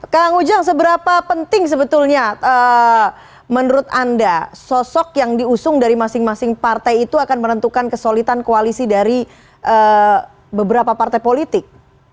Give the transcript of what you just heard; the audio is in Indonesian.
kang ujang seberapa penting sebetulnya menurut anda sosok yang diusung dari masing masing partai itu akan menentukan kesolidan koalisi dari beberapa partai politik